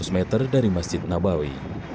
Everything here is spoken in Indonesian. lima ratus meter dari masjid nabawi